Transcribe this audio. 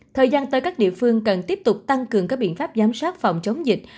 thời gian tới các địa phương cần tiếp tục tăng cường các biện pháp giám sát phòng chống dịch